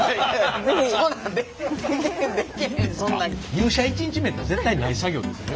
入社１日目やったら絶対ない作業ですよね？